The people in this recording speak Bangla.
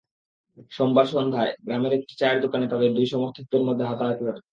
সোমবার সন্ধ্যায় গ্রামের একটি চায়ের দোকানে তাঁদের দুই সমর্থকের মধ্যে হাতাহাতি হয়।